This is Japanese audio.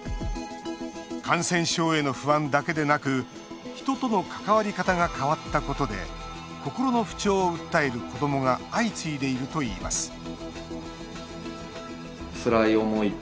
感染症への不安だけでなく人との関わり方が変わったことで心の不調を訴える子どもが相次いでいるといいます